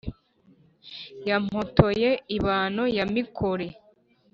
Ya Mpotoye ibano ya Mikore